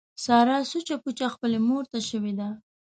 ساره سوچه پوچه خپلې مورته شوې ده.